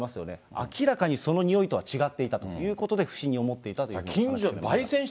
明らかにその匂いとは違っていたということで、不審に思っていたとお話していました。